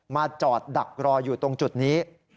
มาจอดดักรออยู่ตรงจุดนี้